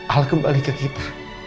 al kembali ke kita